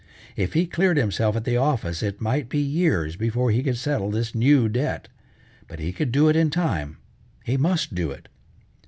If he cleared himself at the office it might be years before he could settle this new debt, but he could do it in time, he must do it.